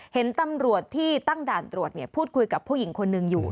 เห็นตำรวจที่ตั้งด่านตรวจพูดคุยกับผู้หญิงคนหนึ่งอยู่